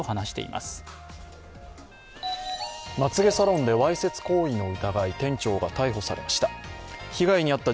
まつげサロンでわいせつ行為の疑い、店長が逮捕されました。